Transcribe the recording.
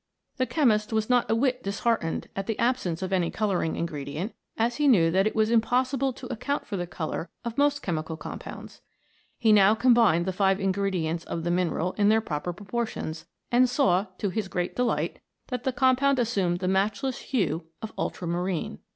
The chemist was not a whit disheartened at the absence of any colouring ingredient, as he knew MODERN ALCHEMY. 83 that it was impossible to account for the colour of most chemical compounds. He now combined the five ingredients of the mineral in their proper pro portions, and saw, to his great delight, that the com pound assumed the matchless hue of ultramarine.